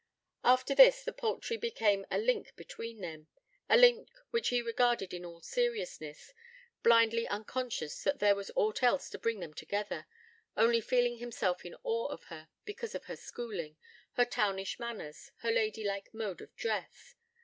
After this, the poultry became a link between them a link which he regarded in all seriousness, blindly unconscious that there was aught else to bring them together, only feeling himself in awe of her, because of her schooling, her townish manners, her ladylike mode of dress.